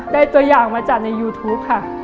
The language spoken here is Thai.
ตัวอย่างมาจากในยูทูปค่ะ